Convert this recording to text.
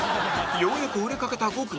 ようやく売れかけた５組